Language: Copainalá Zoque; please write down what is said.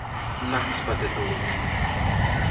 Mnajkspa teʼ tuwiʼ.